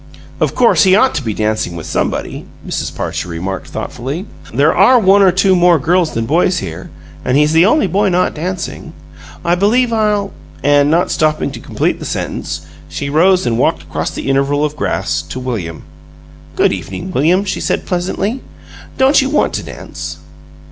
"Of course he ought to be dancing with somebody," Mrs. Parcher remarked, thoughtfully. "There are one or two more girls than boys here, and he's the only boy not dancing. I believe I'll " And, not stopping to complete the sentence, she rose and walked across the interval of grass to William. "Good evening, William," she said, pleasantly. "Don't you want to dance?"